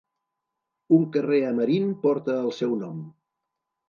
Un carrer a Marín porta el seu nom.